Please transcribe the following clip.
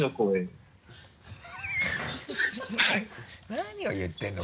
何を言ってるの？